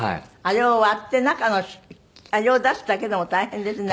あれを割って中のあれを出すだけでも大変でしょ